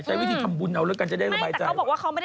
ใช้วิธีทำบุญเอาละกัน